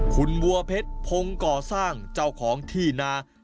คุณบัวเพชรพงศ์ก่อสร้างเจ้าของที่นา